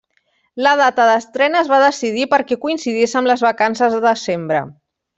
La data d'estrena es va decidir perquè coincidís amb les vacances de desembre.